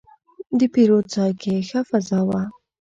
د پیرود ځای کې ښه فضا وه.